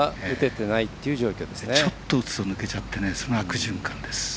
ちょっと打つと抜けちゃってその悪循環です。